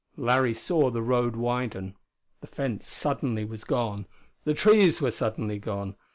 Larry saw the road widen. The fence suddenly was gone. The trees were suddenly gone.